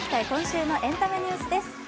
今週のエンタメニュースです。